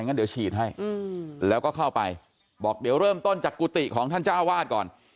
งั้นเดี๋ยวฉีดให้แล้วก็เข้าไปบอกเดี๋ยวเริ่มต้นจากกุฏิของท่านเจ้าวาดก่อน